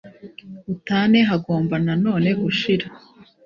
butane hagomba nanone gushira